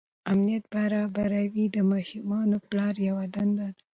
امنیت برابروي د ماشومانو د پلار یوه دنده ده.